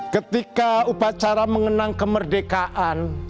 ketika upacara mengenang kemerdekaan